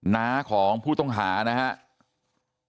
น้าของผู้ต้องหานะครับ